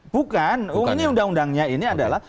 bukan ini undang undangnya ini adalah